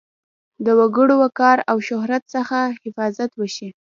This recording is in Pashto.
د وګړو وقار او شهرت څخه حفاظت وشي.